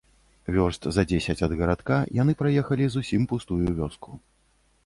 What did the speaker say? Вёрст за дзесяць ад гарадка яны праехалі зусім пустую вёску.